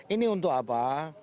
ini untuk apa